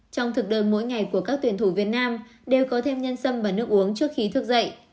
trong thực đơn mỗi ngày của các tuyển thủ việt nam đều có thêm nhân sâm và nước uống trước khi thức dậy